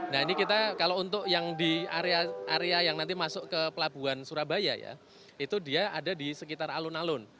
nah ini kita kalau untuk yang di area yang nanti masuk ke pelabuhan surabaya ya itu dia ada di sekitar alun alun